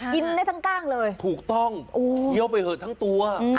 กินได้ทั้งกล้างเลยถูกต้องเคี้ยวไปเหอะทั้งตัว